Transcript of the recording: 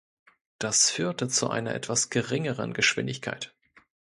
Das führte zu einer etwas geringeren Geschwindigkeit.